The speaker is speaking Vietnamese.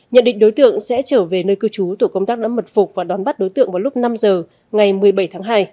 nhận định đối tượng sẽ trở về nơi cư trú tổ công tác đã mật phục và đón bắt đối tượng vào lúc năm giờ ngày một mươi bảy tháng hai